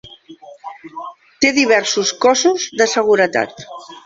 Té diversos cossos de seguretat.